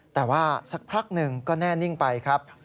แต่ว่าสักพักหนึ่งก็แน่นิ่งไปครับ